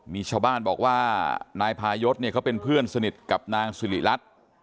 มีชาวบ้านบอกว่านายพายศเนี่ยเขาเป็นเพื่อนสนิทกับนางสิริรัตน์